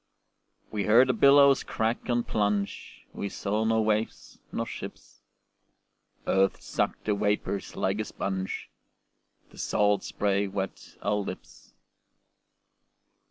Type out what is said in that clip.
We heard the billows crack and plunge, We saw nor waves nor ships. Earth sucked the vapors like a sponge, The salt spray wet our lips.